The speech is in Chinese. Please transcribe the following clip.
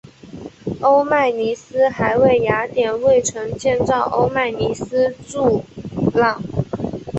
欧迈尼斯还为雅典卫城建造欧迈尼斯柱廊。